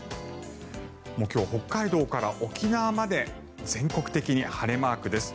今日、北海道から沖縄まで全国的に晴れマークです。